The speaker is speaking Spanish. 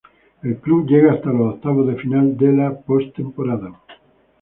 El Club llega hasta los octavos de final de la postemporada.